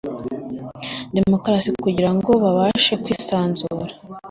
demokarasi kugira ngo babashe kwisanzura